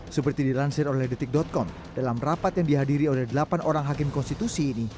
seperti dilansir oleh detik com dalam rapat yang dihadiri oleh delapan orang hakim konstitusi ini